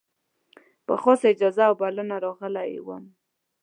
په خاصه اجازه او بلنه راغلی وم.